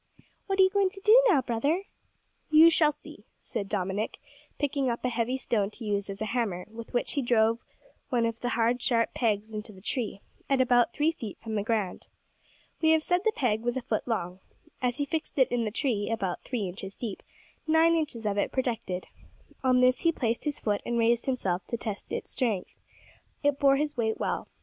"What are you going to do now, brother?" "You shall see," said Dominick, picking up a heavy stone to use as a hammer, with which he drove one of the hard, sharp pegs into the tree, at about three feet from the ground. We have said the peg was a foot long. As he fixed it in the tree about three inches deep, nine inches of it projected. On this he placed his foot and raised himself to test its strength. It bore his weight well.